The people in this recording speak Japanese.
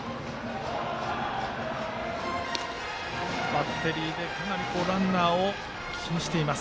バッテリーでかなりランナーを気にしています。